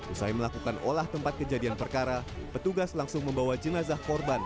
usai melakukan olah tempat kejadian perkara petugas langsung membawa jenazah korban